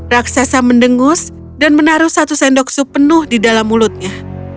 raksasa mendengus dan menaruh satu sendok sup penuh di dalam mulutnya